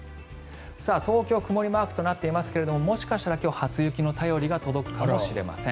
東京は曇りマークとなっていますがもしかしたら今日、初雪の便りが届くかもしれません。